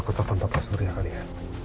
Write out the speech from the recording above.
aku telfon bapak surya kali ya